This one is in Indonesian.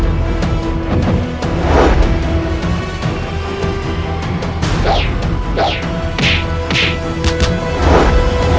kustina tua ada yang nolongin